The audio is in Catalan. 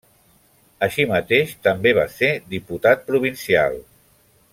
Així mateix també va ser diputat provincial.